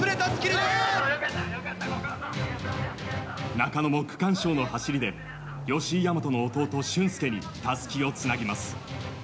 中野も区間賞の走りで吉居大和の弟・駿恭にたすきをつなぎます。